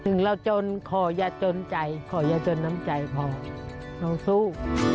ถึงเราจนขอยะจนใจขอยะจนน้ำใจพอเราสู้